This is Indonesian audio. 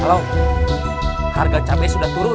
kalau harga cabai sudah turun